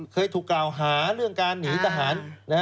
เคยถูกกล่าวหาเรื่องการหนีทหาร